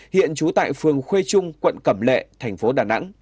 hiện trú tại phường khuê trung quận cẩm lệ tp đà nẵng